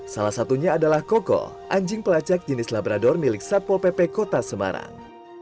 salah satunya adalah koko anjing pelacak jenis labrador milik satpol pp kota semarang